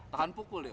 tahan pukul ya